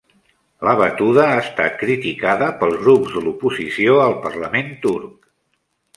La batuda ha estat criticada pels grups de l'oposició al parlament turc